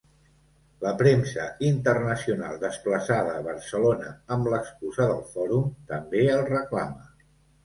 La premsa internacional desplaçada a Barcelona amb l'excusa del Fòrum també el reclama.